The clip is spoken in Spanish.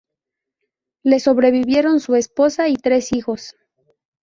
Le sobrevivieron su esposa y tres hijos.